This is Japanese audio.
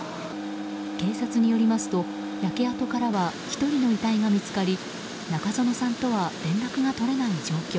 警察によりますと焼け跡からは１人の遺体が見つかり中園さんとは連絡が取れない状況。